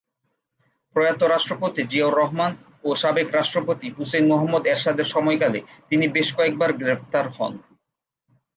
প্রয়াত রাষ্ট্রপতি জিয়াউর রহমান ও সাবেক রাষ্ট্রপতি হুসেইন মুহাম্মদ এরশাদের সময়কালে তিনি বেশ কয়েকবার গ্রেফতার হন।